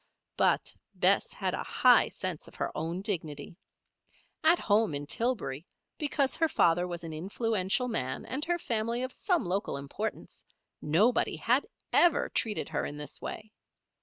But Bess had a high sense of her own dignity. At home, in Tillbury, because her father was an influential man, and her family of some local importance, nobody had ever treated her in this way.